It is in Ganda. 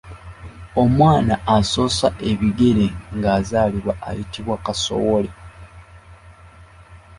Omwana asoosa ebigere ng'azalibwa ayitibwa Kasowole.